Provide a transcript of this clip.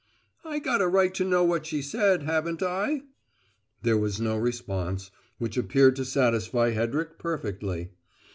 "I got a right to know what she said, haven't I?" There was no response, which appeared to satisfy Hedrick perfectly.